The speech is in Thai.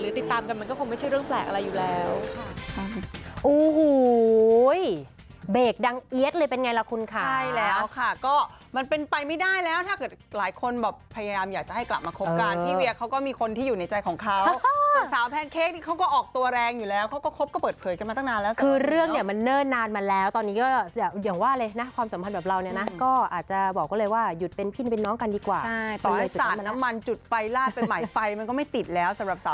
ติดตามกันมันก็คงไม่ใช่เรื่องแปลกอะไรอยู่แล้ว